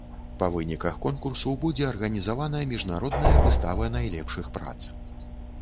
Па выніках конкурсу будзе арганізавана міжнародная выстава найлепшых прац.